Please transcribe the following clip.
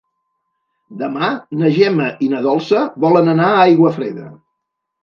Demà na Gemma i na Dolça volen anar a Aiguafreda.